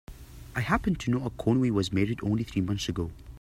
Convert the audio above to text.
I happen to know Conway was married only three months ago.